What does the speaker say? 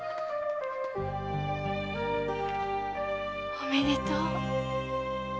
おめでとう。